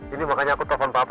ini makanya aku telepon papa